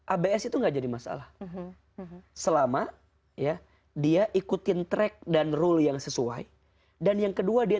abs itu enggak jadi masalah selama ya dia ikutin track dan rule yang sesuai dan yang kedua dia